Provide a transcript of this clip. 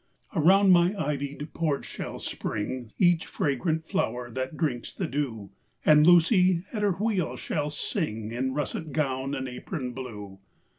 Around my ivy'd porch shall spring Each fragrant flower that drinks the dew; And Lucy, at her wheel, shall sing In russet gown and apron blue.